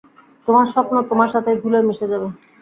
তোমার স্বপ্ন তোমার সাথেই ধুলোয় মিশে যাবে।